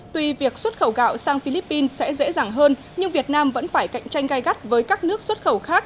tuy việc xuất khẩu gạo sang philippines sẽ dễ dàng hơn nhưng việt nam vẫn phải cạnh tranh gai gắt với các nước xuất khẩu khác